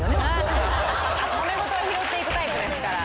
モメゴトは拾っていくタイプですから。